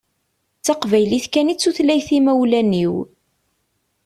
D taqbaylit kan i d tutlayt n imawlan-iw.